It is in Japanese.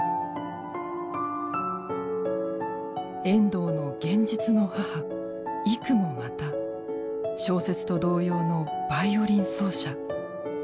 遠藤の現実の母郁もまた小説と同様のバイオリン奏者。